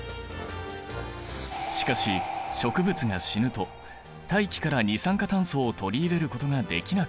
しかし植物が死ぬと大気から二酸化炭素を取り入れることができなくなる。